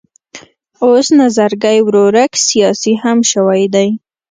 اوس نظرګی ورورک سیاسي هم شوی دی.